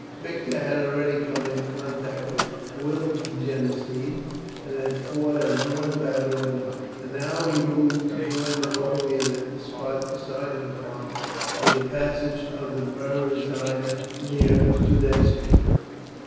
Victor had already come in contact with Wittgenstein and had fought a drawn battle with him, and now moved to join Napoleon at the spot decided upon for the passage of the Berezina, near Studenski.